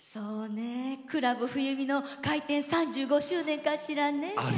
クラブ冬美の開店３５周年ですかね。